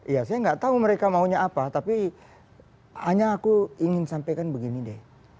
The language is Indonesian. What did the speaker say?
ya saya nggak tahu mereka maunya apa tapi hanya aku ingin sampaikan begini deh